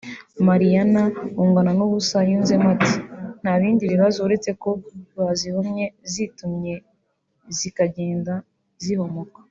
Mariana Bungwanubusa yunzemo ati “Nta bindi bibazo uretse ko bazihomye zitumye bikagenda bihomoka